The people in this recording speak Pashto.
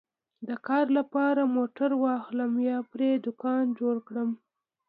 د کار لپاره موټر واخلم یا پرې دوکان جوړ کړم